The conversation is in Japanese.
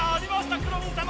くろミンさま！